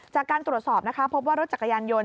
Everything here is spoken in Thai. จากการตรวจสอบนะคะพบว่ารถจักรยานยนต